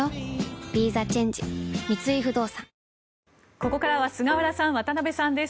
ここからは菅原さん、渡辺さんです。